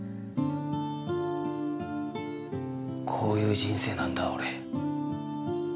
こういう人生なんだ俺。